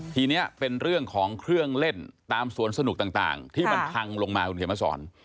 ทีนี้เป็นเรื่องของเครื่องเล่นตามสวนสนุกต่างที่มันพังลงมาคุณเขียนมาสอน